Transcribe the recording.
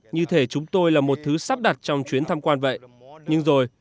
như thể chúng tôi là một thứ sắp đặt trong chuyến tham quan vậy nhưng rồi